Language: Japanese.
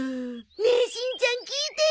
ねえしんちゃん聞いてよ！